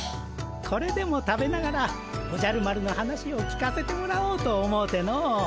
これでも食べながらおじゃる丸の話を聞かせてもらおうと思うての。